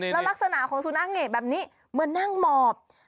แล้วลักษณะของสุนัขเนี่ยแบบนี้เหมือนนั่งหมอบ